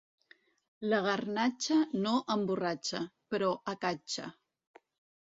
La garnatxa no emborratxa, però acatxa.